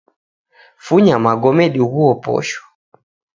Funya magome dighuo posho